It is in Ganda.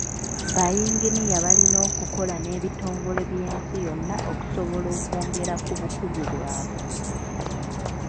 Bayinginiya balina okukola n'ebitongole by'ensi yonna okusobola okwongera ku bukugu bwabwe.